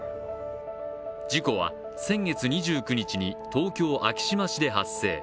事故は先月２９日に東京・昭島市で発生。